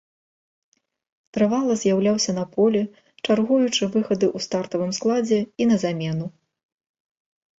Трывала з'яўляўся на полі, чаргуючы выхады ў стартавым складзе і на замену.